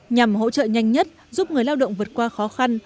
nhằm hỗ trợ nhanh nhất giúp người lao động vượt qua khó khăn